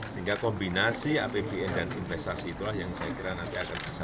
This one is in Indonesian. sehingga kombinasi apbn dan investasi itulah yang saya kira nanti akan bisa